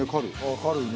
軽いね。